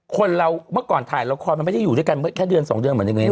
คนเราเมื่อก่อนถ่ายละครมันไม่ได้อยู่ด้วยกันแค่เดือนสองเดือนเหมือนอย่างนี้